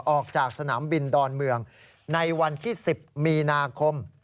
ออกจากสนามบินดอนเมืองในวันที่๑๐มีนาคม